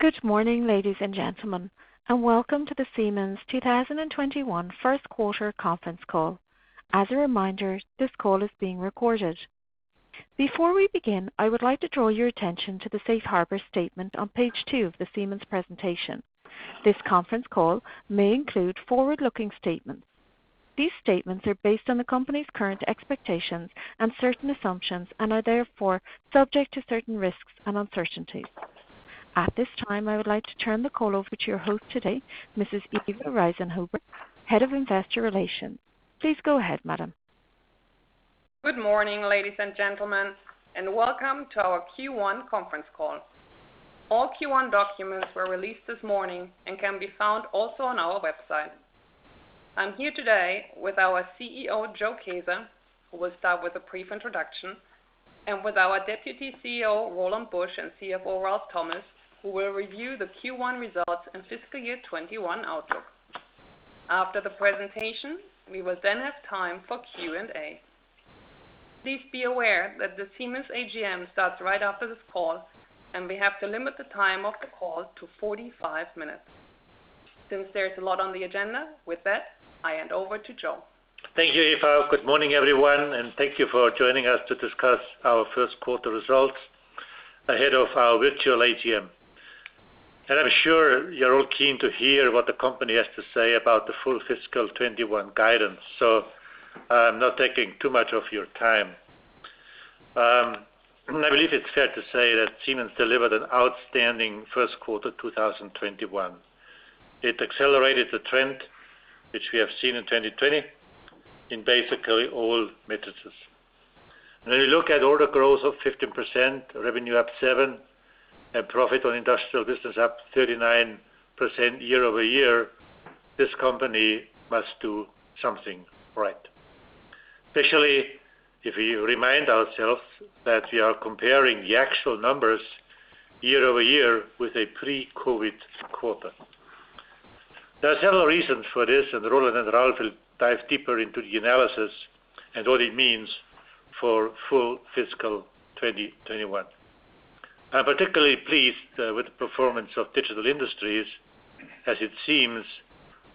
Good morning, ladies and gentlemen, and welcome to the Siemens 2021 first quarter conference call. As a reminder, this call is being recorded. Before we begin, I would like to draw your attention to the safe harbor statement on page two of the Siemens presentation. This conference call may include forward-looking statements. These statements are based on the company's current expectations and certain assumptions, and are therefore subject to certain risks and uncertainties. At this time, I would like to turn the call over to your host today, Mrs. Eva Riesenhuber, Head of Investor Relations. Please go ahead, madam. Good morning, ladies and gentlemen, welcome to our Q1 conference call. All Q1 documents were released this morning and can be found also on our website. I'm here today with our CEO, Joe Kaeser, who will start with a brief introduction, and with our Deputy CEO, Roland Busch, and CFO, Ralf Thomas, who will review the Q1 results and fiscal year 2021 outlook. After the presentation, we will have time for Q&A. Please be aware that the Siemens AGM starts right after this call, and we have to limit the time of the call to 45 minutes. Since there's a lot on the agenda, with that, I hand over to Joe. Thank you, Eva. Good morning, everyone, and thank you for joining us to discuss our first quarter results ahead of our virtual AGM. I'm sure you're all keen to hear what the company has to say about the full fiscal 2021 guidance. I'm not taking too much of your time. I believe it's fair to say that Siemens delivered an outstanding first quarter 2021. It accelerated the trend which we have seen in 2020 in basically all metrics. When we look at order growth of 15%, revenue up 7%, and profit on industrial business up 39% year-over-year, this company must do something right. Especially if we remind ourselves that we are comparing the actual numbers year-over-year with a pre-COVID quarter. There are several reasons for this. Roland and Ralf will dive deeper into the analysis and what it means for full fiscal 2021. I'm particularly pleased with the performance of digital industries, as it seems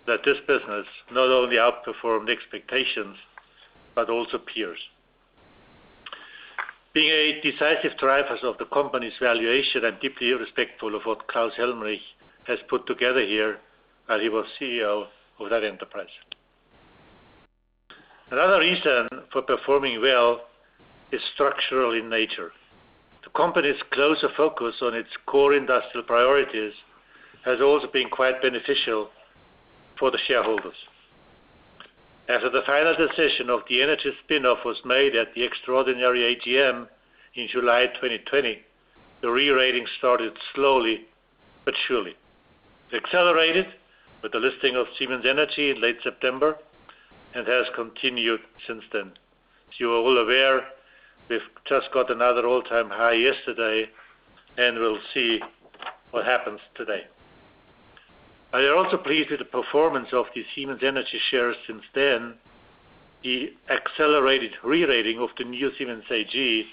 that this business not only outperformed expectations, but also peers. Being a decisive driver of the company's valuation, I'm deeply respectful of what Klaus Helmrich has put together here, while he was CEO of that enterprise. Another reason for performing well is structural in nature. The company's closer focus on its core industrial priorities has also been quite beneficial for the shareholders. After the final decision of the Energy spin-off was made at the extraordinary AGM in July 2020, the re-rating started slowly but surely. It accelerated with the listing of Siemens Energy in late September, and has continued since then. As you are all aware, we've just got another all-time high yesterday, and we'll see what happens today. While we are also pleased with the performance of the Siemens Energy shares since then, the accelerated re-rating of the new Siemens AG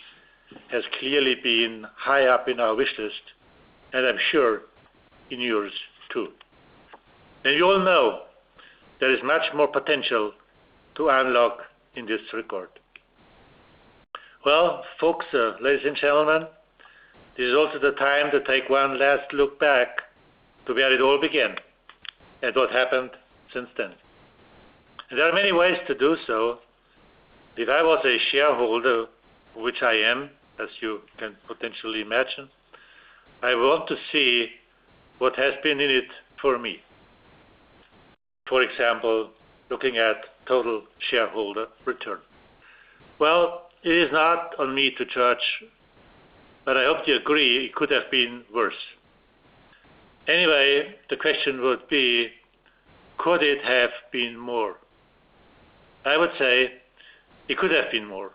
has clearly been high up in our wish list. I'm sure in yours, too. You all know there is much more potential to unlock in this record. Well, folks, ladies and gentlemen, this is also the time to take one last look back to where it all began and what happened since then. There are many ways to do so. If I was a shareholder, which I am, as you can potentially imagine, I want to see what has been in it for me. For example, looking at total shareholder return. Well, it is not on me to judge. I hope you agree it could have been worse. Anyway, the question would be, could it have been more? I would say it could have been more.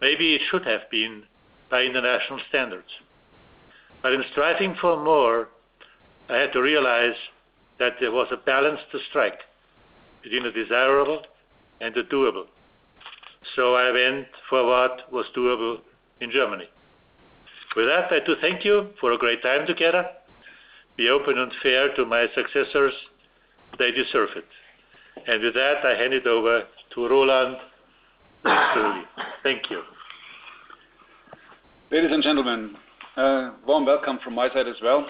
Maybe it should have been by international standards. In striving for more, I had to realize that there was a balance to strike between the desirable and the doable. I went for what was doable in Germany. With that, I do thank you for a great time together. Be open and fair to my successors. They deserve it. With that, I hand it over to Roland. Truly, thank you. Ladies and gentlemen, warm welcome from my side as well.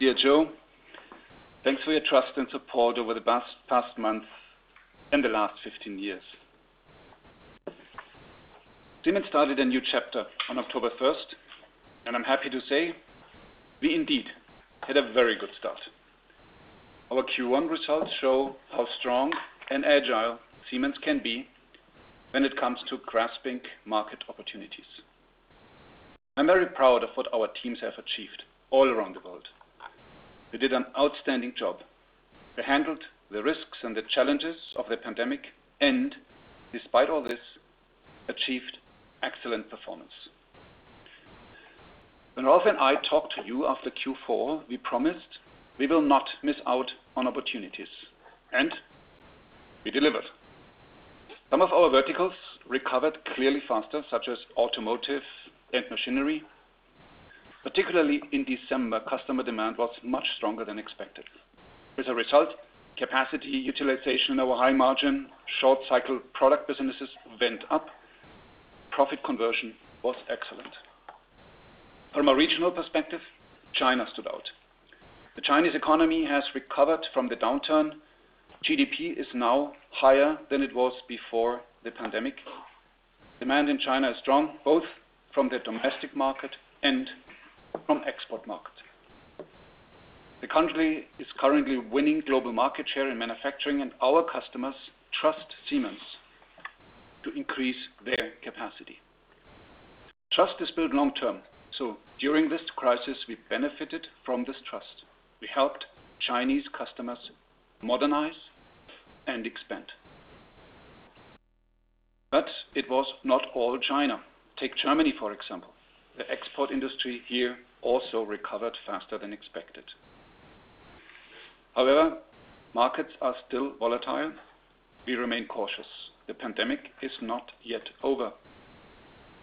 Dear Joe, thanks for your trust and support over the past months and the last 15 years. Siemens started a new chapter on October 1st. I'm happy to say we indeed had a very good start. Our Q1 results show how strong and agile Siemens can be when it comes to grasping market opportunities. I'm very proud of what our teams have achieved all around the world. They did an outstanding job. They handled the risks and the challenges of the pandemic. Despite all this, achieved excellent performance. When Ralf and I talked to you after Q4, we promised we will not miss out on opportunities. We delivered. Some of our verticals recovered clearly faster, such as automotive and machinery. Particularly in December, customer demand was much stronger than expected. As a result, capacity utilization in our high-margin, short-cycle product businesses went up. Profit conversion was excellent. From a regional perspective, China stood out. The Chinese economy has recovered from the downturn. GDP is now higher than it was before the pandemic. Demand in China is strong, both from the domestic market and from export markets. The country is currently winning global market share in manufacturing, and our customers trust Siemens to increase their capacity. Trust is built long-term. During this crisis, we benefited from this trust. We helped Chinese customers modernize and expand. It was not all China. Take Germany, for example. The export industry here also recovered faster than expected. However, markets are still volatile. We remain cautious. The pandemic is not yet over.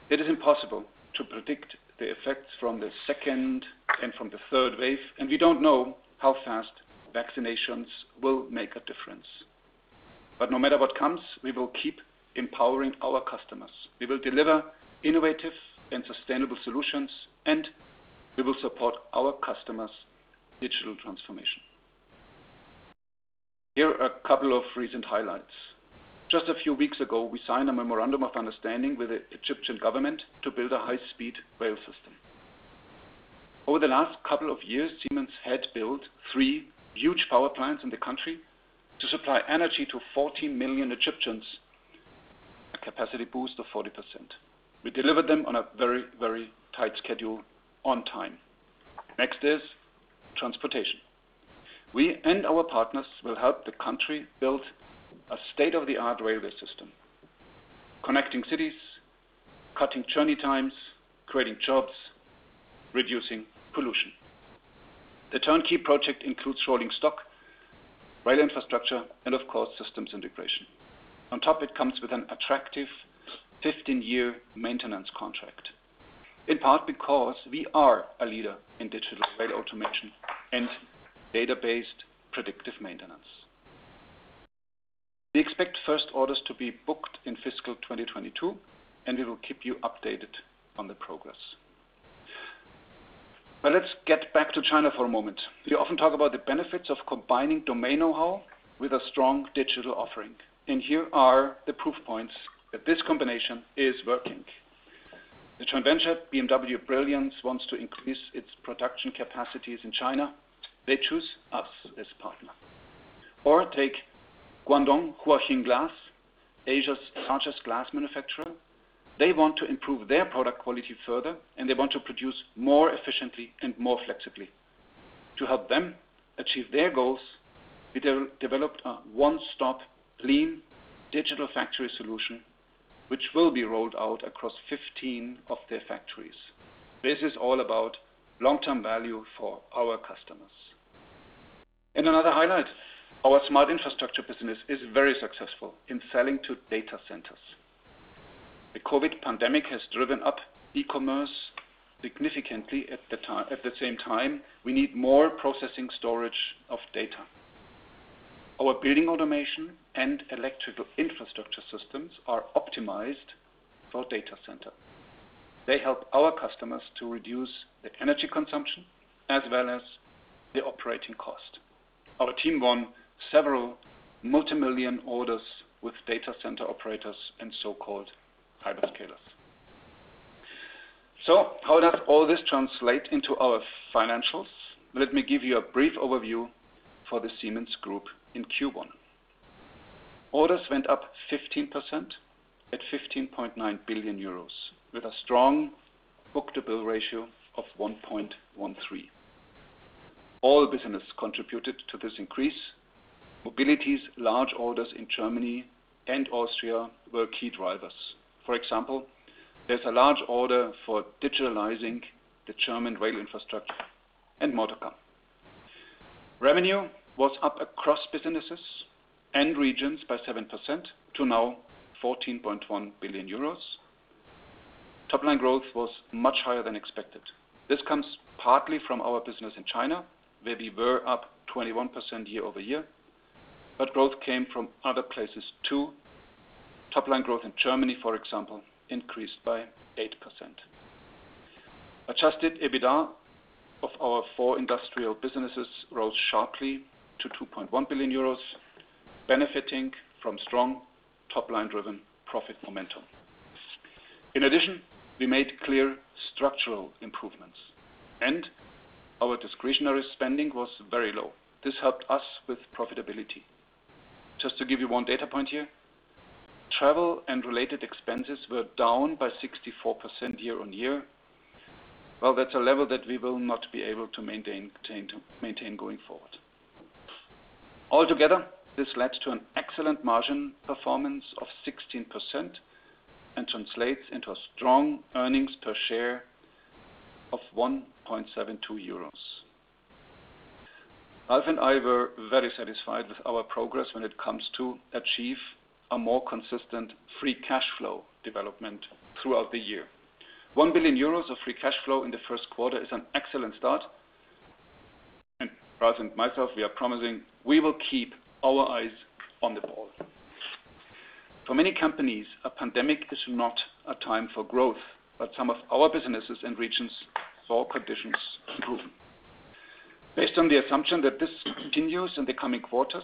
It is impossible to predict the effects from the second and from the third wave, and we don't know how fast vaccinations will make a difference. No matter what comes, we will keep empowering our customers. We will deliver innovative and sustainable solutions, and we will support our customers' digital transformation. Here are a couple of recent highlights. Just a few weeks ago, we signed a memorandum of understanding with the Egyptian government to build a high-speed rail system. Over the last couple of years, Siemens had built three huge power plants in the country to supply energy to 14 million Egyptians, a capacity boost of 40%. We delivered them on a very tight schedule on time. Next is transportation. We and our partners will help the country build a state-of-the-art railway system, connecting cities, cutting journey times, creating jobs, reducing pollution. The turnkey project includes rolling stock, rail infrastructure, and of course, systems integration. On top, it comes with an attractive 15-year maintenance contract, in part because we are a leader in digital rail automation and data-based predictive maintenance. We expect first orders to be booked in fiscal 2022, and we will keep you updated on the progress. Let's get back to China for a moment. We often talk about the benefits of combining domain knowhow with a strong digital offering. Here are the proof points that this combination is working. The joint venture BMW Brilliance wants to increase its production capacities in China. They choose us as partner. Take Guangdong Huaxing Glass, Asia's largest glass manufacturer. They want to improve their product quality further, and they want to produce more efficiently and more flexibly. To help them achieve their goals, we developed a one-stop lean digital factory solution, which will be rolled out across 15 of their factories. Another highlight, our Smart Infrastructure business is very successful in selling to data centers. The COVID pandemic has driven up e-commerce significantly. At the same time, we need more processing storage of data. Our building automation and electrical infrastructure systems are optimized for data centers. They help our customers to reduce their energy consumption as well as the operating cost. Our team won several multimillion orders with data center operators and so-called hyperscalers. How does all this translate into our financials? Let me give you a brief overview for the Siemens Group in Q1. Orders went up 15% at 15.9 billion euros, with a strong book-to-bill ratio of 1.13x. All business contributed to this increase. Mobility's large orders in Germany and Austria were key drivers. For example, there's a large order for digitalizing the German rail infrastructure and more to come. Revenue was up across businesses and regions by 7% to now 14.1 billion euros. Topline growth was much higher than expected. This comes partly from our business in China, where we were up 21% year-over-year, but growth came from other places, too. Topline growth in Germany, for example, increased by 8%. Adjusted EBITDA of our four industrial businesses rose sharply to 2.1 billion euros, benefiting from strong top-line-driven profit momentum. In addition, we made clear structural improvements, and our discretionary spending was very low. This helped us with profitability. Just to give you one data point here, travel and related expenses were down by 64% year-on-year. Well, that's a level that we will not be able to maintain going forward. Altogether, this led to an excellent margin performance of 16% and translates into a strong earnings per share of 1.72 euros. Ralf and I were very satisfied with our progress when it comes to achieve a more consistent free cash flow development throughout the year. 1 billion euros of free cash flow in the first quarter is an excellent start. Ralf and myself, we are promising we will keep our eyes on the ball. For many companies, a pandemic is not a time for growth, but some of our businesses and regions saw conditions improving. Based on the assumption that this continues in the coming quarters,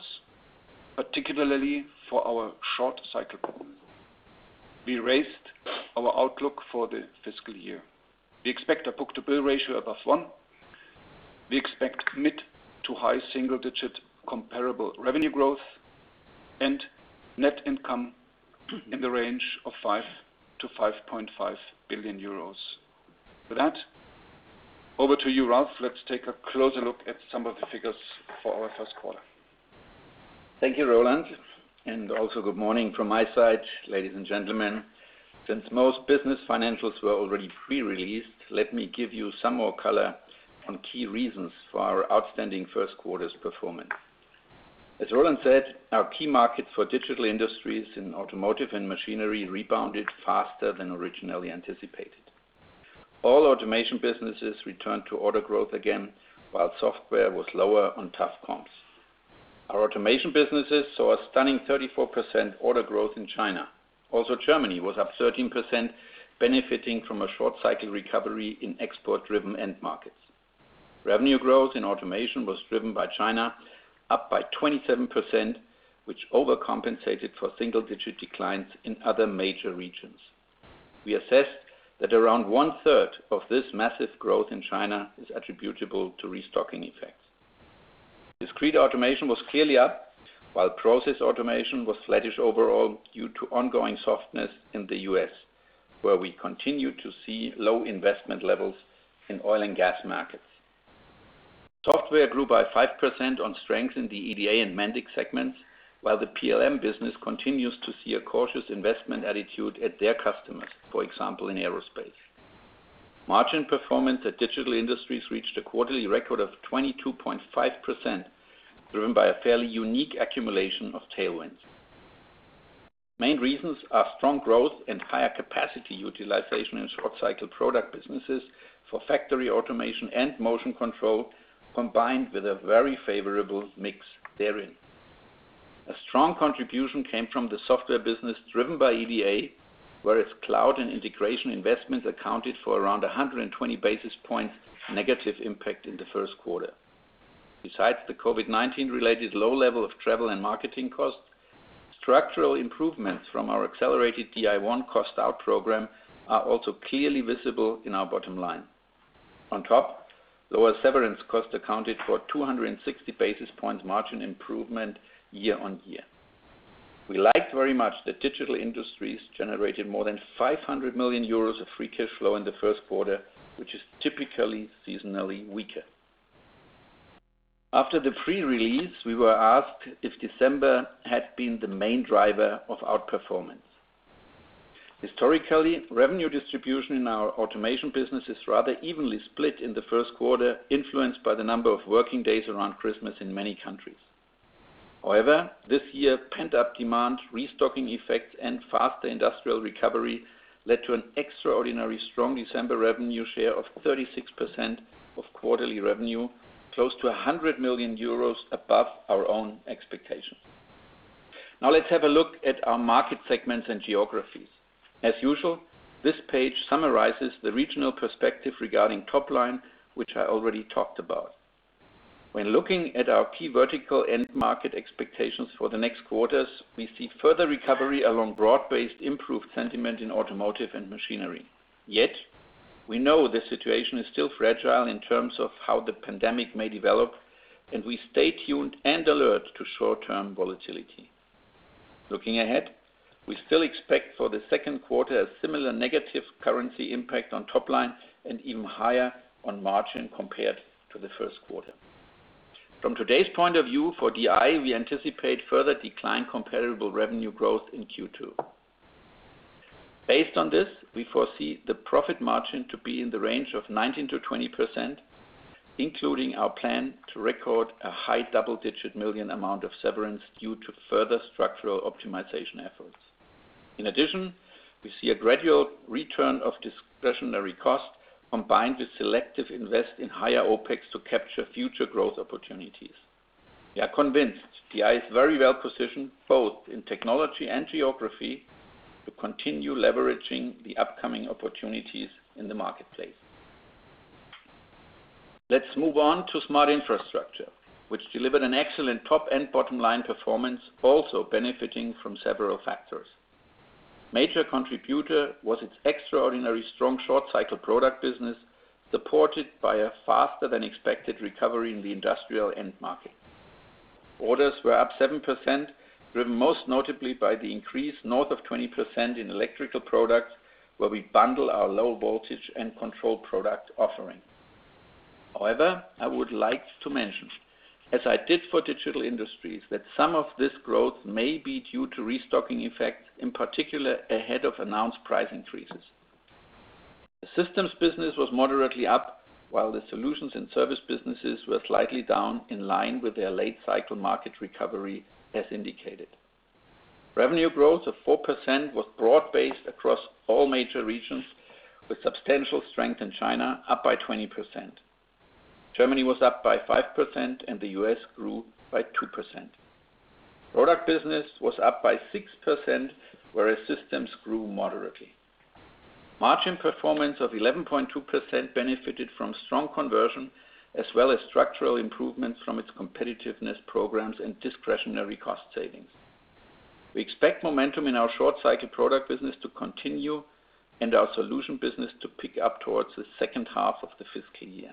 particularly for our short cycle. We raised our outlook for the fiscal year. We expect a book-to-bill ratio above 1x. We expect mid to high single-digit comparable revenue growth and net income in the range of 5 billion-5.5 billion euros. With that, over to you, Ralf. Let's take a closer look at some of the figures for our first quarter. Thank you, Roland, and also good morning from my side, ladies and gentlemen. Since most business financials were already pre-released, let me give you some more color on key reasons for our outstanding first quarter's performance. As Roland said, our key market for digital industries in automotive and machinery rebounded faster than originally anticipated. All automation businesses returned to order growth again, while software was lower on tough comps. Our automation businesses saw a stunning 34% order growth in China. Germany was up 13%, benefiting from a short cycle recovery in export-driven end markets. Revenue growth in automation was driven by China, up by 27%, which overcompensated for single-digit declines in other major regions. We assessed that around one-third of this massive growth in China is attributable to restocking effects. Discrete automation was clearly up while process automation was sluggish overall due to ongoing softness in the U.S., where we continue to see low investment levels in oil and gas markets. Software grew by 5% on strength in the EDA and Mendix segments, while the PLM business continues to see a cautious investment attitude at their customers, for example, in aerospace. Margin performance at Digital Industries reached a quarterly record of 22.5%, driven by a fairly unique accumulation of tailwinds. Main reasons are strong growth and higher capacity utilization in short cycle product businesses for factory automation and motion control, combined with a very favorable mix therein. A strong contribution came from the software business driven by EDA, whereas cloud and integration investments accounted for around 120 basis points negative impact in the first quarter. Besides the COVID-19 related low level of travel and marketing costs, structural improvements from our accelerated DI ONE cost out program are also clearly visible in our bottom line. On top, lower severance costs accounted for 260 basis points margin improvement year-on-year. We liked very much that digital industries generated more than 500 million euros of free cash flow in the first quarter, which is typically seasonally weaker. After the pre-release, we were asked if December had been the main driver of our performance. Historically, revenue distribution in our automation business is rather evenly split in the first quarter, influenced by the number of working days around Christmas in many countries. This year, pent-up demand, restocking effect, and faster industrial recovery led to an extraordinarily strong December revenue share of 36% of quarterly revenue, close to 100 million euros above our own expectations. Let's have a look at our market segments and geographies. As usual, this page summarizes the regional perspective regarding top line, which I already talked about. Looking at our key vertical end market expectations for the next quarters, we see further recovery along broad-based improved sentiment in automotive and machinery. Yet, we know the situation is still fragile in terms of how the pandemic may develop, and we stay tuned and alert to short-term volatility. Looking ahead, we still expect for the second quarter a similar negative currency impact on top line and even higher on margin compared to the first quarter. From today's point of view for DI, we anticipate further decline comparable revenue growth in Q2. Based on this, we foresee the profit margin to be in the range of 19%-20%, including our plan to record a high double-digit million amount of severance due to further structural optimization efforts. In addition, we see a gradual return of discretionary cost combined with selective invest in higher OPEX to capture future growth opportunities. We are convinced DI is very well positioned, both in technology and geography, to continue leveraging the upcoming opportunities in the marketplace. Let's move on to Smart Infrastructure, which delivered an excellent top and bottom line performance, also benefiting from several factors. Major contributor was its extraordinarily strong short cycle product business, supported by a faster than expected recovery in the industrial end market. Orders were up 7%, driven most notably by the increase north of 20% in electrical products, where we bundle our low voltage and control product offering. However, I would like to mention, as I did for digital industries, that some of this growth may be due to restocking effects, in particular ahead of announced price increases. The systems business was moderately up while the solutions and service businesses were slightly down in line with their late cycle market recovery, as indicated. Revenue growth of 4% was broad-based across all major regions, with substantial strength in China up by 20%. Germany was up by 5% and the U.S. grew by 2%. Product business was up by 6%, whereas systems grew moderately. Margin performance of 11.2% benefited from strong conversion as well as structural improvements from its competitiveness programs and discretionary cost savings. We expect momentum in our short-cycle product business to continue and our solution business to pick up towards the second half of the fiscal year.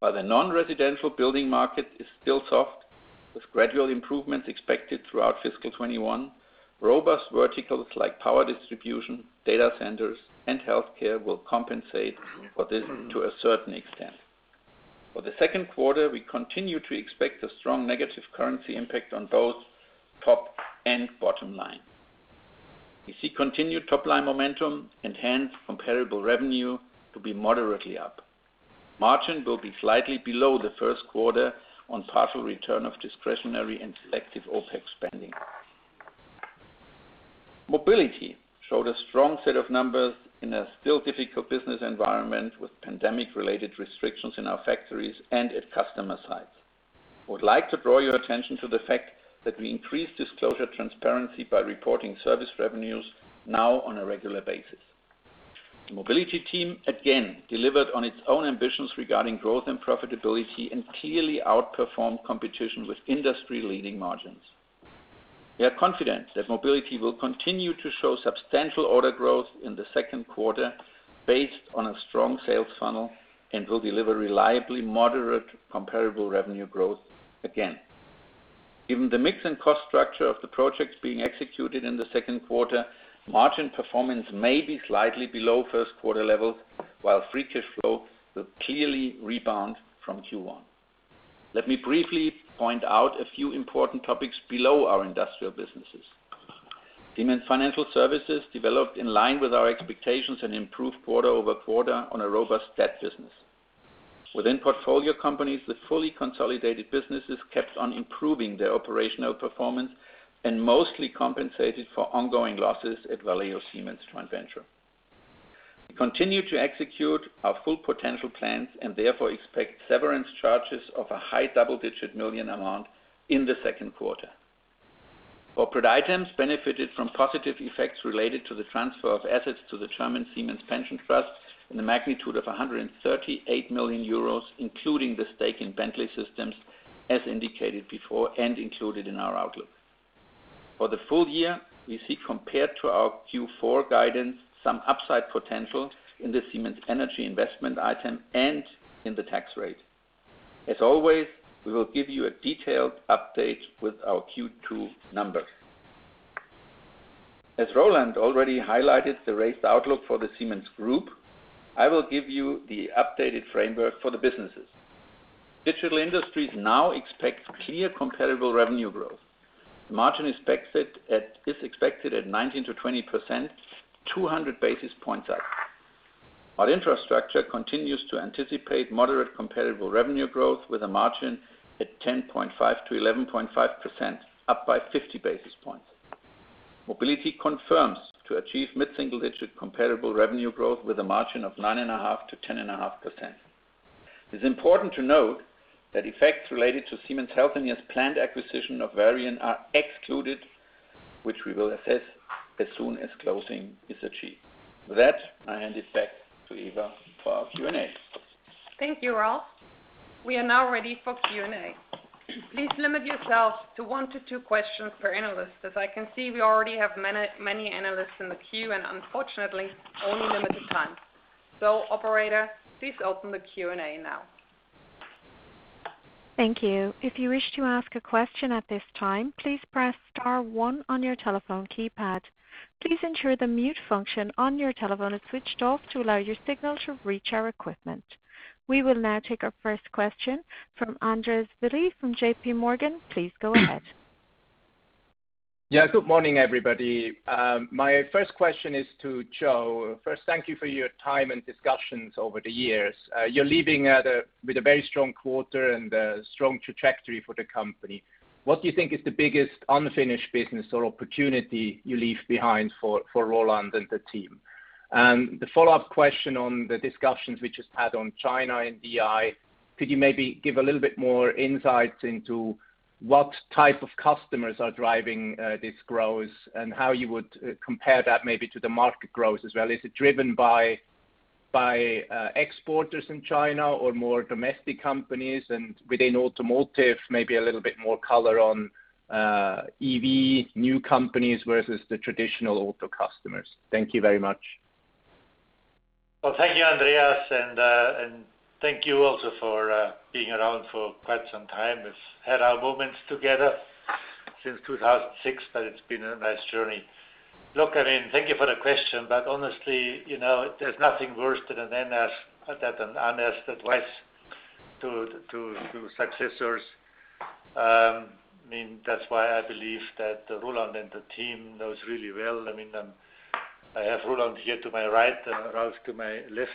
While the non-residential building market is still soft, with gradual improvements expected throughout fiscal 2021, robust verticals like power distribution, data centers, and healthcare will compensate for this to a certain extent. For the second quarter, we continue to expect a strong negative currency impact on both top and bottom line. We see continued top-line momentum and hence comparable revenue to be moderately up. Margin will be slightly below the first quarter on partial return of discretionary and selective OpEx spending. Mobility showed a strong set of numbers in a still difficult business environment with pandemic-related restrictions in our factories and at customer sites. I would like to draw your attention to the fact that we increased disclosure transparency by reporting service revenues now on a regular basis. The Mobility team again delivered on its own ambitions regarding growth and profitability, and clearly outperformed competition with industry-leading margins. We are confident that mobility will continue to show substantial order growth in the second quarter based on a strong sales funnel and will deliver reliably moderate comparable revenue growth again. Given the mix and cost structure of the projects being executed in the second quarter, margin performance may be slightly below first quarter levels, while free cash flow will clearly rebound from Q1. Let me briefly point out a few important topics below our industrial businesses. Siemens Financial Services developed in line with our expectations and improved quarter-over-quarter on a robust debt business. Within portfolio companies, the fully consolidated businesses kept on improving their operational performance and mostly compensated for ongoing losses at Valeo Siemens joint venture. We continue to execute our full potential plans and therefore expect severance charges of a high double-digit million amount in the second quarter. Corporate items benefited from positive effects related to the transfer of assets to the German Siemens pension trust in the magnitude of 138 million euros, including the stake in Bentley Systems, as indicated before and included in our outlook. For the full year, we see, compared to our Q4 guidance, some upside potential in the Siemens Energy investment item and in the tax rate. As always, we will give you a detailed update with our Q2 numbers. As Roland already highlighted the raised outlook for the Siemens Group, I will give you the updated framework for the businesses. Digital industries now expects clear comparable revenue growth. The margin is expected at 19%-20%, 200 basis points up. Smart Infrastructure continues to anticipate moderate comparable revenue growth with a margin at 10.5%-11.5%, up by 50 basis points. Mobility confirms to achieve mid-single-digit comparable revenue growth with a margin of 9.5%-10.5%. It's important to note that effects related to Siemens Healthineers planned acquisition of Varian are excluded, which we will assess as soon as closing is achieved. With that, I hand it back to Eva for our Q&A. Thank you, Ralf. We are now ready for Q&A. Please limit yourself to one to two questions per analyst. As I can see, we already have many analysts in the queue and unfortunately only limited time. Operator, please open the Q&A now. Thank you. If you wish to ask a question at this time, please press star one on your telephone keypad. Please ensure the mute function on your telephone is switched off to allow your signal to reach our equipment. We will now take our first question from Andreas Willi from JPMorgan. Please go ahead. Good morning, everybody. My first question is to Joe. First, thank you for your time and discussions over the years. You're leaving with a very strong quarter and a strong trajectory for the company. What do you think is the biggest unfinished business or opportunity you leave behind for Roland and the team? The follow-up question on the discussions we just had on China and DI, could you maybe give a little bit more insight into what type of customers are driving this growth and how you would compare that maybe to the market growth as well? Is it driven by exporters in China or more domestic companies? Within automotive, maybe a little bit more color on EV new companies versus the traditional auto customers. Thank you very much. Well, thank you, Andreas, thank you also for being around for quite some time. We've had our moments together since 2006, it's been a nice journey. Look, I mean, thank you for the question, honestly, there's nothing worse than unasked advice to successors. That's why I believe that Roland and the team knows really well. I have Roland here to my right and Ralf to my left,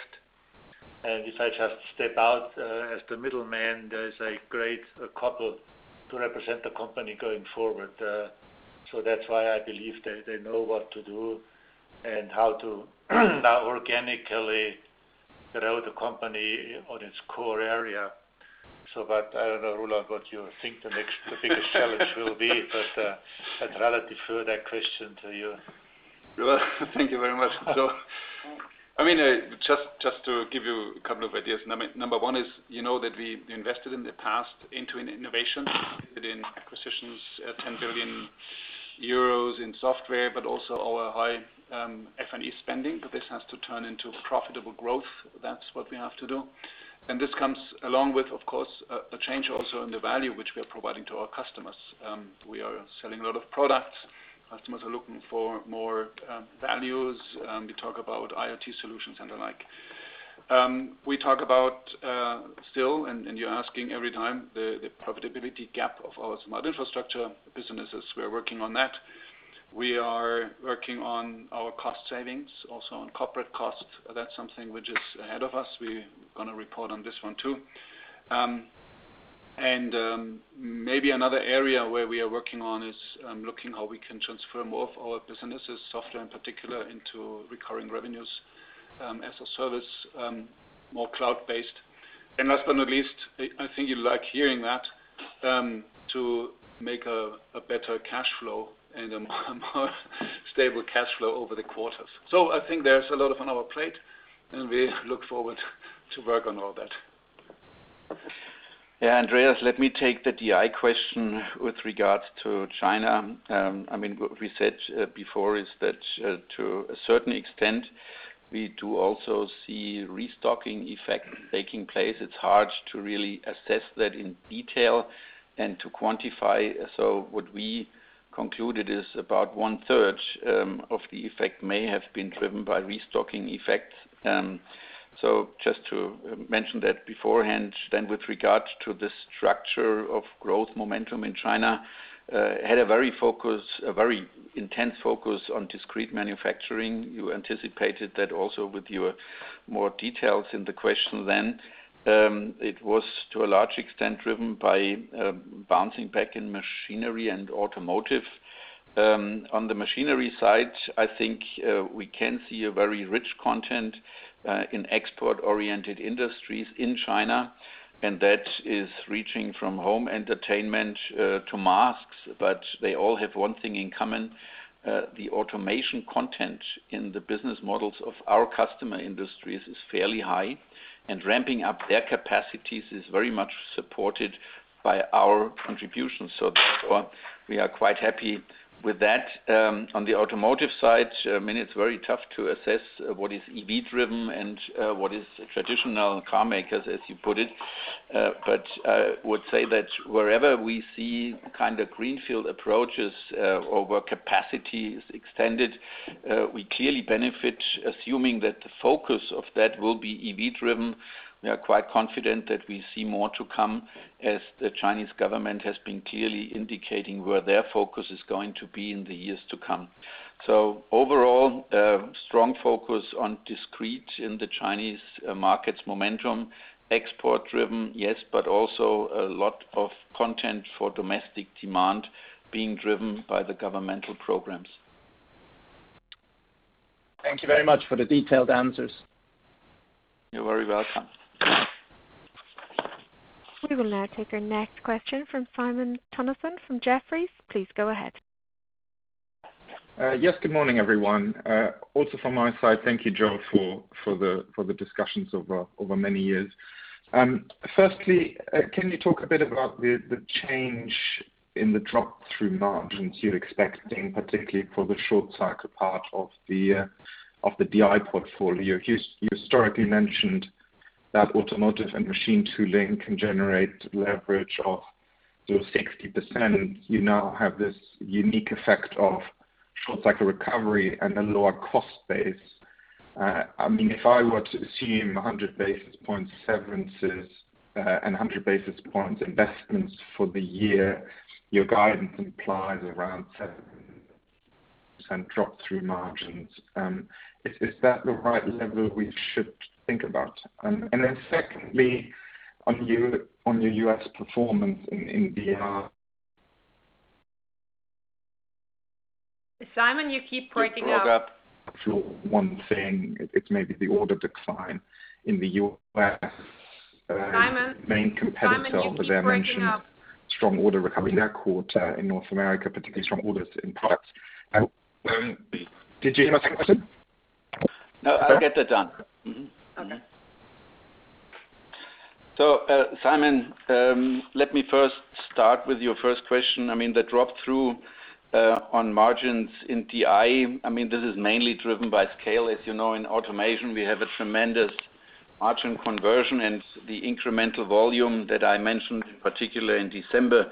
and if I just step out as the middleman, there is a great couple to represent the company going forward. That's why I believe they know what to do and how to now organically grow the company on its core area. I don't know, Roland, what you think the next, the biggest challenge will be, but I'd rather defer that question to you. Well, thank you very much. Just to give you a couple of ideas. Number one is, you know that we invested in the past into innovation, within acquisitions, 10 billion euros in software, but also our high F&E spending. This has to turn into profitable growth. That's what we have to do. This comes along with, of course, a change also in the value which we are providing to our customers. We are selling a lot of products. Customers are looking for more values. We talk about IoT solutions and the like. We talk about, still, and you're asking every time, the profitability gap of our Smart Infrastructure businesses. We're working on that. We are working on our cost savings, also on corporate costs. That's something which is ahead of us. We're going to report on this one, too. Maybe another area where we are working on is looking how we can transfer more of our businesses, software in particular, into recurring revenues, as a service, more cloud-based. Last but not least, I think you like hearing that, to make a better cash flow and a more stable cash flow over the quarters. I think there's a lot on our plate, and we look forward to work on all that. Yeah, Andreas, let me take the DI question with regards to China. What we said before is that to a certain extent, we do also see restocking effect taking place. It's hard to really assess that in detail and to quantify. What we concluded is about one-third of the effect may have been driven by restocking effects. Just to mention that beforehand, with regards to the structure of growth momentum in China, had a very intense focus on discrete manufacturing. You anticipated that also with your more details in the question then. It was to a large extent driven by bouncing back in machinery and automotive. On the machinery side, I think we can see a very rich content in export-oriented industries in China, and that is reaching from home entertainment to masks, but they all have one thing in common: the automation content in the business models of our customer industries is fairly high, and ramping up their capacities is very much supported by our contribution. Therefore, we are quite happy with that. On the automotive side, it's very tough to assess what is EV driven and what is traditional car makers, as you put it. I would say that wherever we see greenfield approaches or where capacity is extended, we clearly benefit, assuming that the focus of that will be EV driven. We are quite confident that we see more to come as the Chinese government has been clearly indicating where their focus is going to be in the years to come. Overall, strong focus on discrete in the Chinese markets momentum. Export driven, yes, but also a lot of content for domestic demand being driven by the governmental programs. Thank you very much for the detailed answers. You're very welcome. We will now take our next question from Simon Toennessen from Jefferies. Please go ahead. Yes, good morning, everyone. Also from my side, thank you, Joe, for the discussions over many years. Can you talk a bit about the change in the drop-through margins you're expecting, particularly for the short cycle part of the DI portfolio? You historically mentioned that automotive and machine tooling can generate leverage of 60%. You now have this unique effect of short cycle recovery and a lower cost base. If I were to assume 100 basis point severances and 100 basis point investments for the year, your guidance implies around 7% drop-through margins. Is that the right level we should think about? Secondly, on your U.S. performance in DI.- Simon, you keep breaking up. One thing, it may be the order decline in the U.S. Simon- Main competitor- Simon, you keep breaking up. -there mentioned strong order recovery that quarter in North America, particularly strong orders in products. Did you hear my question? No, I'll get that done. Okay. Simon, let me first start with your first question. The drop-through on margins in DI, this is mainly driven by scale. As you know, in automation, we have a tremendous margin conversion, and the incremental volume that I mentioned, particularly in December,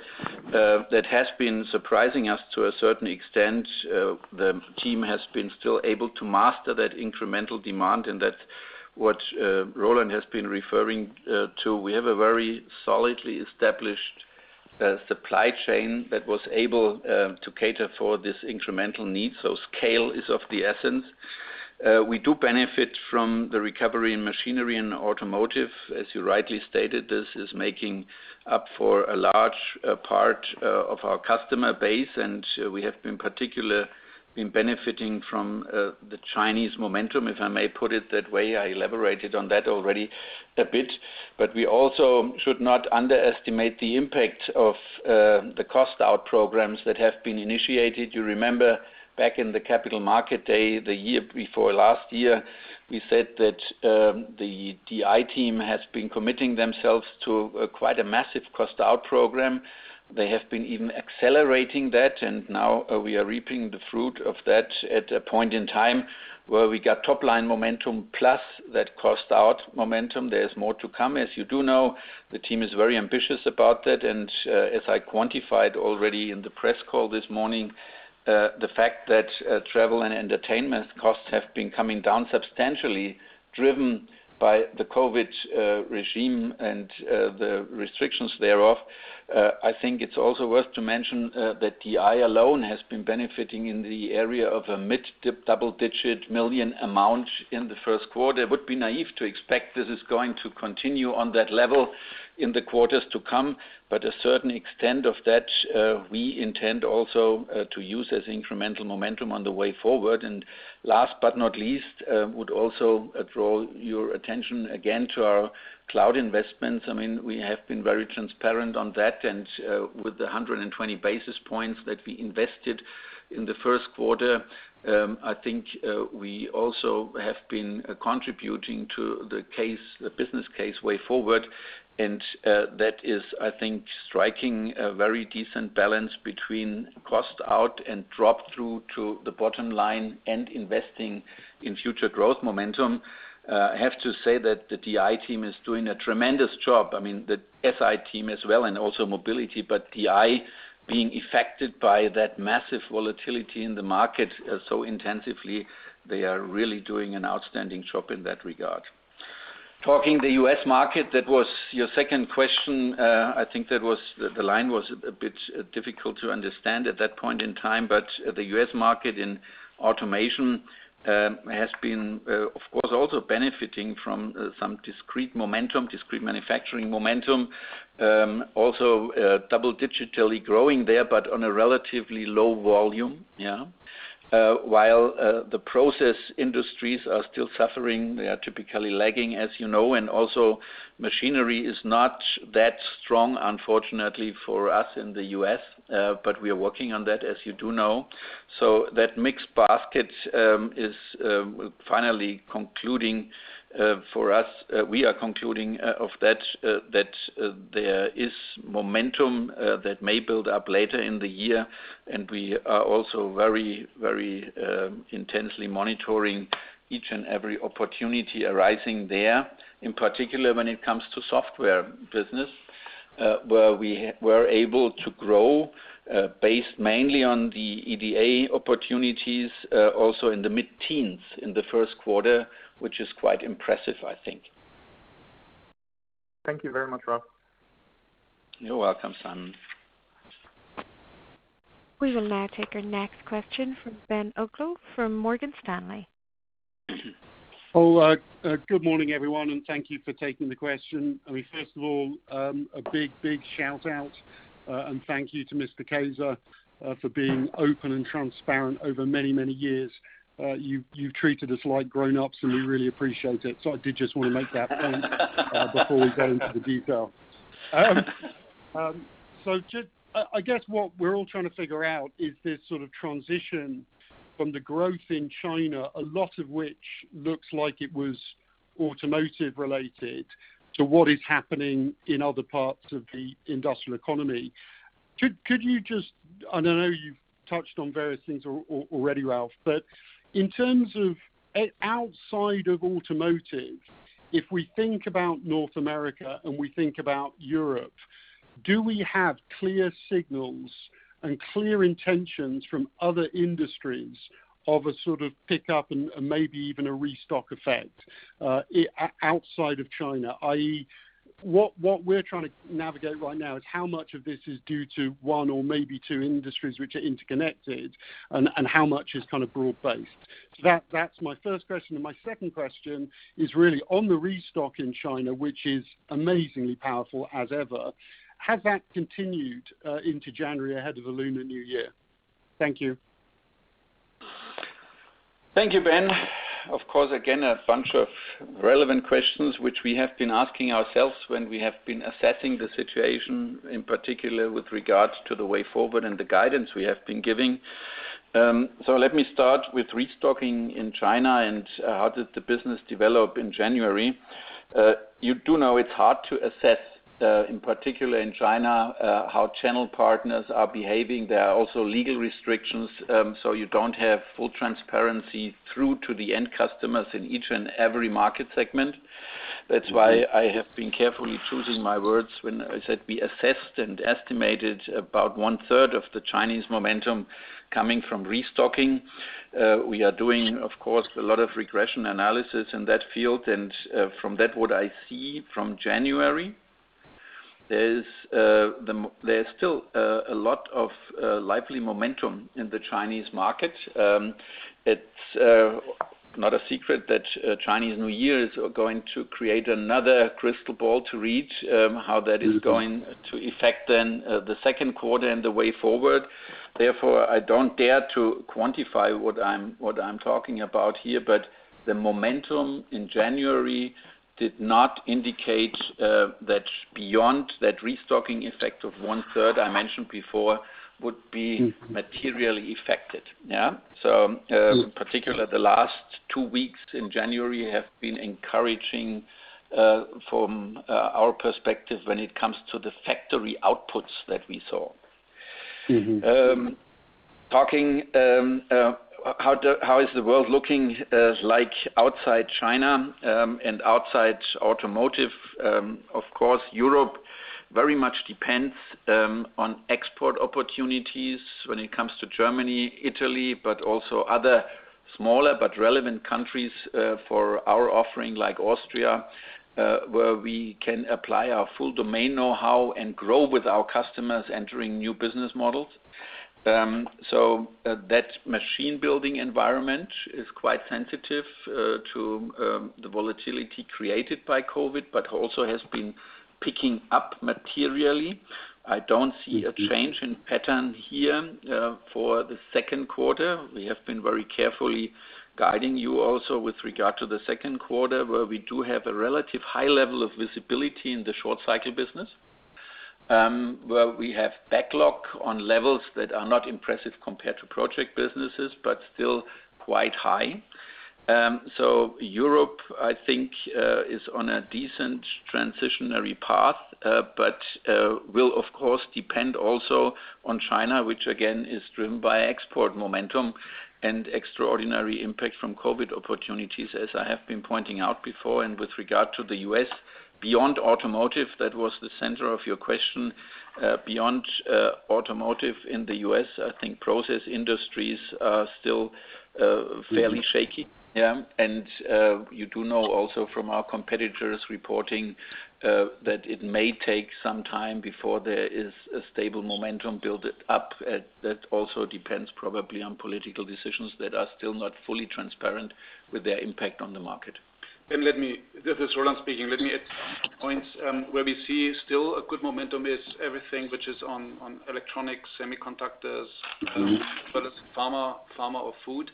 that has been surprising us to a certain extent. The team has been still able to master that incremental demand and that Roland has been referring to, we have a very solidly established supply chain that was able to cater for this incremental need. Scale is of the essence. We do benefit from the recovery in machinery and automotive, as you rightly stated, this is making up for a large part of our customer base, and we have in particular been benefiting from the Chinese momentum, if I may put it that way. I elaborated on that already a bit. We also should not underestimate the impact of the cost-out programs that have been initiated. You remember back in the Capital Market Day, the year before last year, we said that the DI team has been committing themselves to quite a massive cost-out program. They have been even accelerating that. Now we are reaping the fruit of that at a point in time where we got top-line momentum plus that cost-out momentum. There's more to come. As you do know, the team is very ambitious about that. As I quantified already in the press call this morning, the fact that travel and entertainment costs have been coming down substantially, driven by the COVID regime and the restrictions thereof. I think it's also worth to mention that DI alone has been benefiting in the area of a mid double-digit million amount in the first quarter. It would be naive to expect this is going to continue on that level in the quarters to come, but a certain extent of that we intend also to use as incremental momentum on the way forward. Last but not least, would also draw your attention again to our cloud investments. We have been very transparent on that, and with the 120 basis points that we invested in the first quarter, I think we also have been contributing to the business case way forward. That is, I think, striking a very decent balance between cost out and drop-through to the bottom line and investing in future growth momentum. I have to say that the DI team is doing a tremendous job. The SI team as well and also mobility, DI being affected by that massive volatility in the market so intensively, they are really doing an outstanding job in that regard. Talking the U.S. market, that was your second question. I think the line was a bit difficult to understand at that point in time. The U.S. market in automation has been, of course, also benefiting from some discrete manufacturing momentum. Also double-digitally growing there, on a relatively low volume. While the process industries are still suffering, they are typically lagging, as you know, and also machinery is not that strong, unfortunately for us in the U.S. We are working on that, as you do know. That mixed basket is finally concluding for us. We are concluding of that there is momentum that may build up later in the year. We are also very intensely monitoring each and every opportunity arising there, in particular when it comes to software business, where we were able to grow based mainly on the EDA opportunities, also in the mid-teens in the first quarter, which is quite impressive, I think. Thank you very much, Ralf. You're welcome, Simon. We will now take our next question from Ben Uglow from Morgan Stanley. Good morning, everyone. Thank you for taking the question. First of all, a big shout-out and thank you to Mr. Kaeser for being open and transparent over many years. You've treated us like grown-ups, and we really appreciate it. I did just want to make that point before we go into the detail. I guess what we're all trying to figure out is this sort of transition from the growth in China, a lot of which looks like it was automotive related to what is happening in other parts of the industrial economy. I know you've touched on various things already, Ralf, but in terms of outside of automotive, if we think about North America and we think about Europe, do we have clear signals and clear intentions from other industries of a sort of pick up and maybe even a restock effect outside of China, i.e., what we're trying to navigate right now is how much of this is due to one or maybe two industries which are interconnected and how much is kind of broad based? That's my first question, and my second question is really on the restock in China, which is amazingly powerful as ever. Has that continued into January ahead of the Lunar New Year? Thank you. Thank you, Ben. Of course, again, a bunch of relevant questions which we have been asking ourselves when we have been assessing the situation in particular with regards to the way forward and the guidance we have been giving. Let me start with restocking in China and how did the business develop in January. You do know it's hard to assess, in particular in China, how channel partners are behaving. There are also legal restrictions, you don't have full transparency through to the end customers in each and every market segment. That's why I have been carefully choosing my words when I said we assessed and estimated about one-third of the Chinese momentum coming from restocking. We are doing, of course, a lot of regression analysis in that field from that, what I see from January, there's still a lot of lively momentum in the Chinese market. It's not a secret that Chinese New Year is going to create another crystal ball to read how that is going to affect then the second quarter and the way forward. Therefore, I don't dare to quantify what I'm talking about here, but the momentum in January did not indicate that beyond that restocking effect of one-third I mentioned before would be materially affected. Yeah? Particularly the last two weeks in January have been encouraging from our perspective when it comes to the factory outputs that we saw. Talking how is the world looking like outside China and outside automotive? Of course, Europe very much depends on export opportunities when it comes to Germany, Italy, but also other smaller but relevant countries for our offering like Austria, where we can apply our full domain know-how and grow with our customers entering new business models. That machine building environment is quite sensitive to the volatility created by COVID, but also has been picking up materially. I don't see a change in pattern here for the second quarter. We have been very carefully guiding you also with regard to the second quarter, where we do have a relative high level of visibility in the short-cycle business, where we have backlog on levels that are not impressive compared to project businesses, but still quite high. Europe, I think, is on a decent transitionary path, but will of course depend also on China, which again is driven by export momentum and extraordinary impact from COVID opportunities, as I have been pointing out before. With regard to the U.S., beyond automotive, that was the center of your question, beyond automotive in the U.S., I think process industries are still fairly shaky. Yeah. You do know also from our competitors reporting that it may take some time before there is a stable momentum build-up. That also depends probably on political decisions that are still not fully transparent with their impact on the market. This is Roland speaking. Let me add points where we see still a good momentum is everything which is on electronics, semiconductors, as well as pharma or food.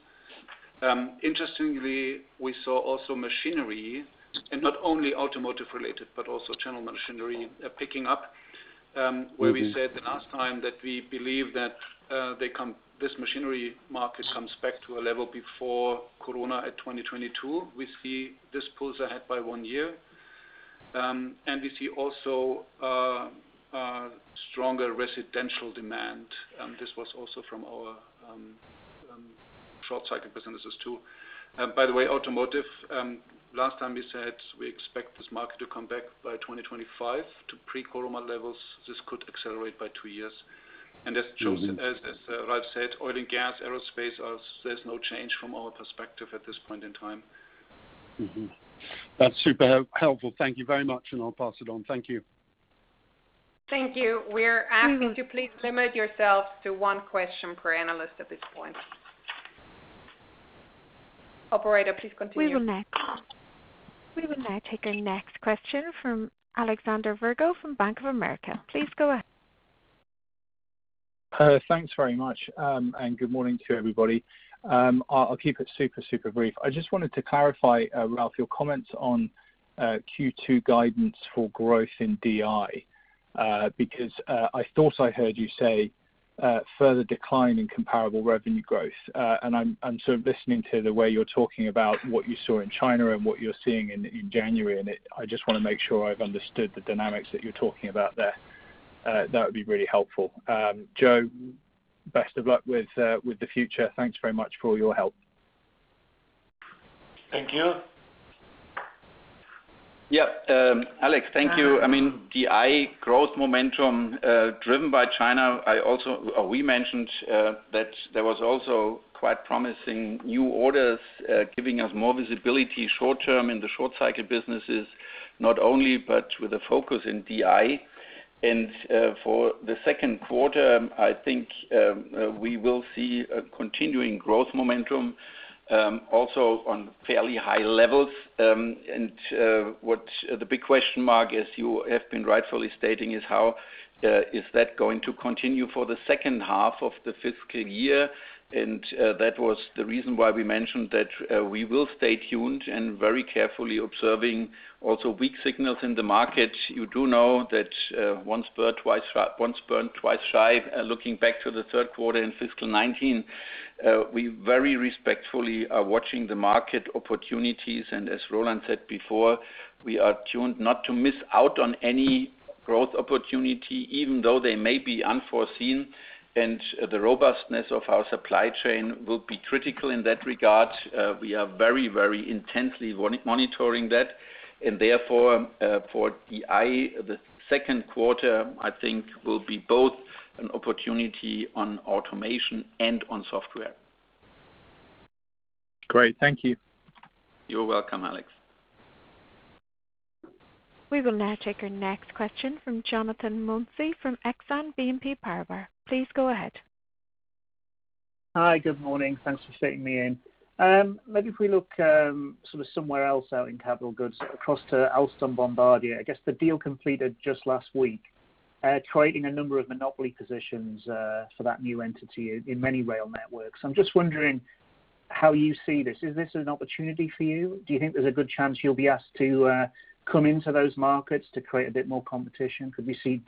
Interestingly, we saw also machinery, and not only automotive related, but also general machinery picking up, where we said the last time that we believe that this machinery market comes back to a level before coronavirus at 2022. We see this pulls ahead by one year. We see also a stronger residential demand. This was also from our short-cycle businesses, too. By the way, automotive, last time we said we expect this market to come back by 2025 to pre-coronavirus levels. This could accelerate by two years. As Joe said-as Ralf said, oil and gas, aerospace, there's no change from our perspective at this point in time. That's super helpful. Thank you very much. I'll pass it on. Thank you. Thank you. We're asking to please limit yourselves to one question per analyst at this point. Operator, please continue. We will now take our next question from Alexander Virgo from Bank of America. Please go ahead. Thanks very much. Good morning to everybody. I'll keep it super brief. I just wanted to clarify, Ralf, your comments on Q2 guidance for growth in DI because I thought I heard you say further decline in comparable revenue growth. I'm sort of listening to the way you're talking about what you saw in China and what you're seeing in January, and I just want to make sure I've understood the dynamics that you're talking about there. That would be really helpful. Joe, best of luck with the future. Thanks very much for all your help. Thank you. Alex. Thank you. DI growth momentum driven by China, we mentioned that there was also quite promising new orders giving us more visibility short term in the short-cycle businesses, not only, but with a focus in DI. For the second quarter, I think we will see a continuing growth momentum, also on fairly high levels. What the big question mark, as you have been rightfully stating, is how is that going to continue for the second half of the fiscal year. That was the reason why we mentioned that we will stay tuned and very carefully observing also weak signals in the market. You do know that once burned, twice shy. Looking back to the third quarter in fiscal 2019, we very respectfully are watching the market opportunities. As Roland said before, we are tuned not to miss out on any growth opportunity, even though they may be unforeseen, and the robustness of our supply chain will be critical in that regard. We are very intensely monitoring that. Therefore, for DI, the second quarter, I think, will be both an opportunity on automation and on software. Great. Thank you. You're welcome, Alex. We will now take our next question from Jonathan Mounsey from Exane BNP Paribas. Please go ahead. Hi. Good morning. Thanks for fitting me in. Maybe if we look somewhere else out in capital goods across to Alstom, Bombardier. I guess the deal completed just last week, creating a number of monopoly positions for that new entity in many rail networks. I'm just wondering how you see this. Is this an opportunity for you? Do you think there's a good chance you'll be asked to come into those markets to create a bit more competition? Could we see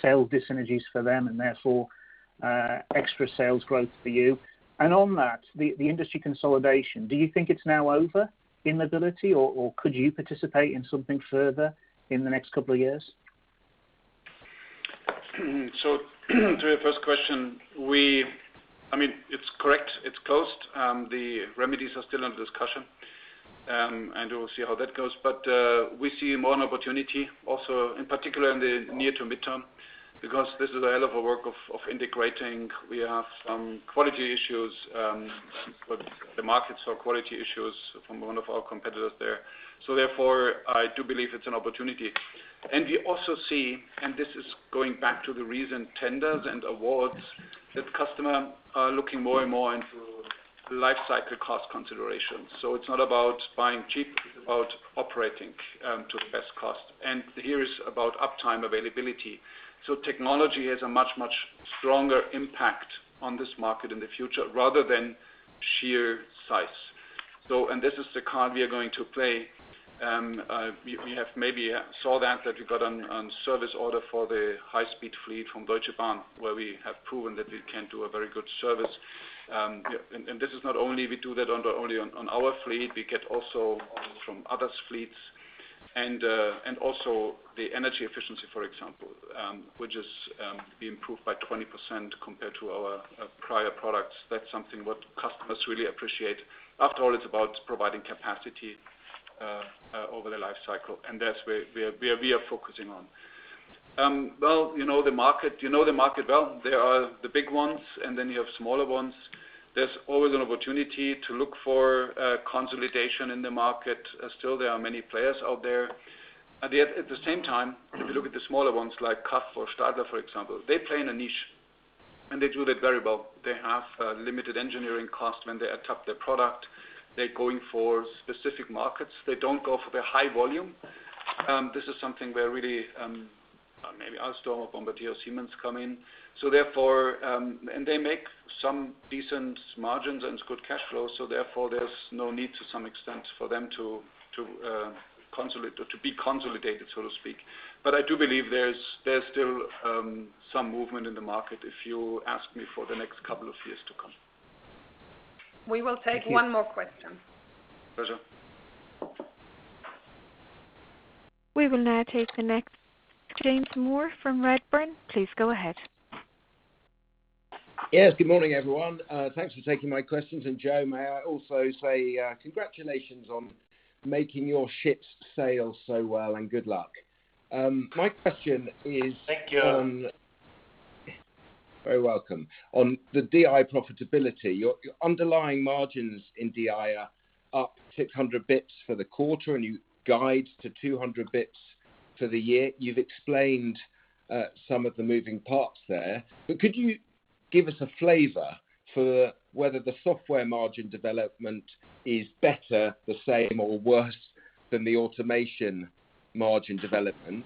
sales dis-synergies for them and therefore extra sales growth for you? On that, the industry consolidation, do you think it's now over in mobility or could you participate in something further in the next couple of years? To your first question, it's correct, it's closed. The remedies are still under discussion, and we'll see how that goes. We see more an opportunity also in particular in the near to mid-term, because this is a hell of a work of integrating. We have some quality issues. The markets saw quality issues from one of our competitors there. Therefore, I do believe it's an opportunity. We also see, and this is going back to the recent tenders and awards, that customer are looking more and more into lifecycle cost consideration. It's not about buying cheap, it's about operating to the best cost. Here is about uptime availability. Technology has a much, much stronger impact on this market in the future rather than sheer size. This is the card we are going to play. You maybe saw that we got an service order for the high-speed fleet from Deutsche Bahn, where we have proven that we can do a very good service. We do that not only on our fleet, we get also from others' fleets. Also the energy efficiency, for example, which is improved by 20% compared to our prior products. That's something what customers really appreciate. After all, it's about providing capacity over their life cycle, and that's where we are focusing on. Well, you know the market well. There are the big ones, and then you have smaller ones. There's always an opportunity to look for consolidation in the market. Still, there are many players out there. Yet at the same time, if you look at the smaller ones like CAF or Stadler, for example, they play in a niche, and they do that very well. They have limited engineering cost when they adapt their product. They're going for specific markets. They don't go for the high volume. This is something where really maybe Alstom or Bombardier or Siemens come in. They make some decent margins and good cash flow, so therefore, there's no need, to some extent, for them to be consolidated, so to speak. I do believe there's still some movement in the market, if you ask me for the next couple of years to come. We will take one more question. Pleasure. We will now take the next. James Moore from Redburn. Please go ahead. Yes. Good morning, everyone. Thanks for taking my questions. Joe, may I also say congratulations on making your ships sail so well, and good luck. Thank you. You're very welcome. On the DI profitability, your underlying margins in DI are up 600 basis points for the quarter, and you guide to 200 basis points for the year. You've explained some of the moving parts there, but could you give us a flavor for whether the software margin development is better, the same, or worse than the automation margin development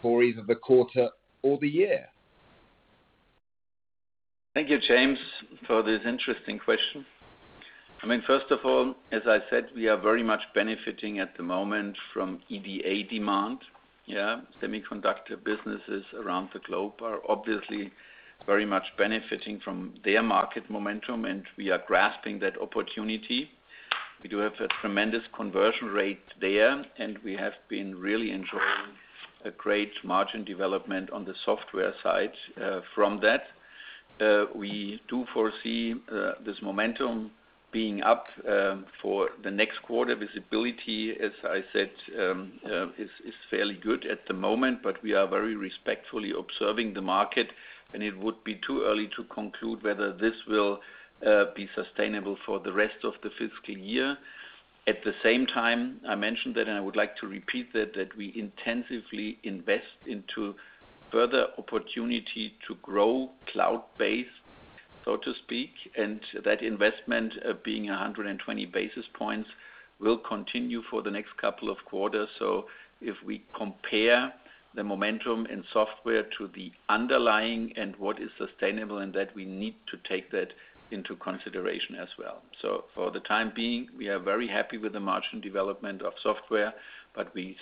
for either the quarter or the year? Thank you, James, for this interesting question. First of all, as I said, we are very much benefiting at the moment from EDA demand. Yeah. Semiconductor businesses around the globe are obviously very much benefiting from their market momentum, and we are grasping that opportunity. We do have a tremendous conversion rate there, and we have been really enjoying a great margin development on the software side from that. We do foresee this momentum being up for the next quarter. Visibility, as I said, is fairly good at the moment, but we are very respectfully observing the market, and it would be too early to conclude whether this will be sustainable for the rest of the fiscal year. At the same time, I mentioned that, and I would like to repeat that we intensively invest into further opportunity to grow cloud-based, so to speak, and that investment being 120 basis points will continue for the next couple of quarters. If we compare the momentum in software to the underlying and what is sustainable and that we need to take that into consideration as well. For the time being, we are very happy with the margin development of software, but we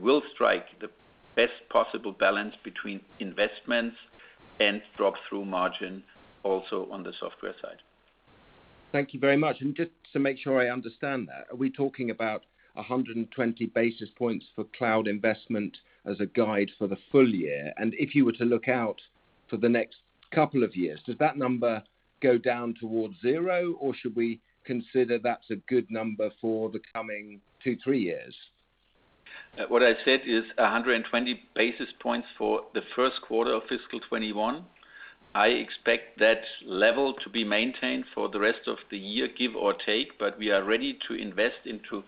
will strike the best possible balance between investments and drop-through margin also on the software side. Thank you very much. Just to make sure I understand that, are we talking about 120 basis points for cloud investment as a guide for the full year? If you were to look out for the next couple of years, does that number go down towards zero, or should we consider that's a good number for the coming two, three years? What I said is 120 basis points for the first quarter of fiscal 2021. I expect that level to be maintained for the rest of the year, give or take, but we are ready to invest into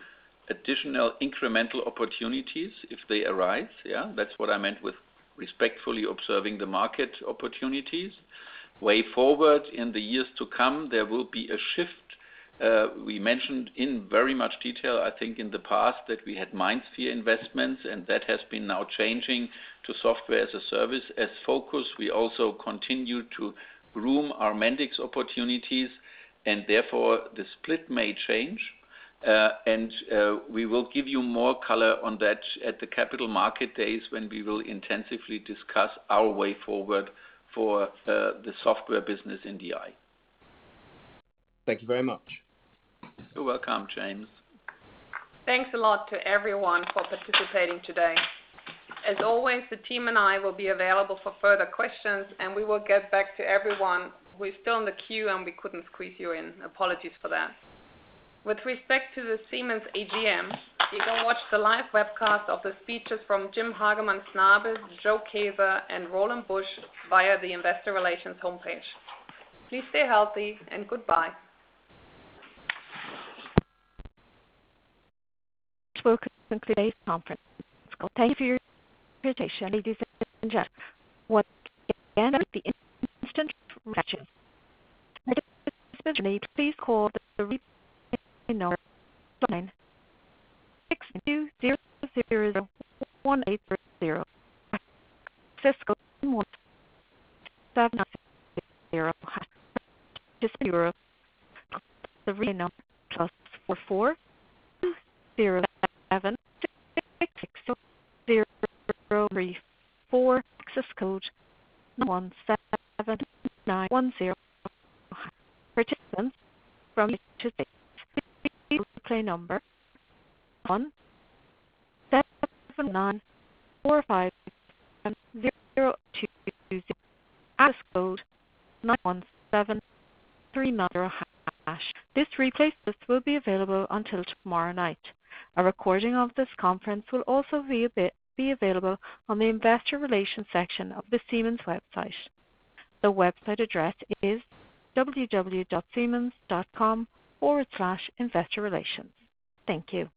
additional incremental opportunities if they arise. Yeah, that's what I meant with respectfully observing the market opportunities. Way forward in the years to come, there will be a shift. We mentioned in very much detail, I think, in the past that we had MindSphere investments. That has been now changing to software as a service as focus. We also continue to groom our Mendix opportunities. Therefore, the split may change. We will give you more color on that at the Capital Market Days when we will intensively discuss our way forward for the software business in DI. Thank you very much. You're welcome, James. Thanks a lot to everyone for participating today. As always, the team and I will be available for further questions, and we will get back to everyone who is still in the queue and we couldn't squeeze you in. Apologies for that. With respect to the Siemens AGM, you can watch the live webcast of the speeches from Jim Hagemann Snabe, Joe Kaeser, and Roland Busch via the investor relations homepage. Please stay healthy, and goodbye. This will conclude today's conference. Thank you for your participation. This replay system will be available until tomorrow night. A recording of this conference will also be available on the investor relations section of the Siemens website. The website address is www.siemens.com/investorrelations. Thank you.